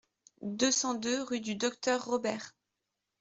deux cent deux rue du Docteur Robert